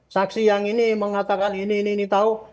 saksi yang ini mengatakan ini ini ini tahu